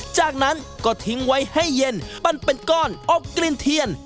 จากนั้นก็ทิ้งไว้ให้เย็นปั้นเป็นก้อนอบกลิ่นเทียน